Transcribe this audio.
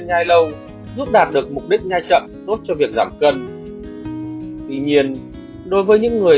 ngay lâu giúp đạt được mục đích nha chậm tốt cho việc giảm cân tuy nhiên đối với những người